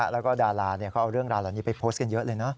แล้วก็ดาราเขาเอาเรื่องราวเหล่านี้ไปโพสต์กันเยอะเลยนะ